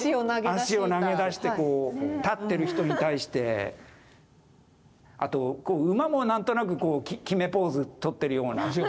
足を投げ出してこう立ってる人に対して。あと馬も何となく決めポーズとってるような。